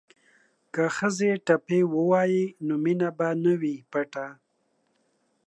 که ښځې ټپې ووايي نو مینه به نه وي پټه.